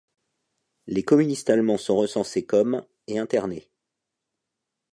Les communistes allemands sont recensés comme et internés.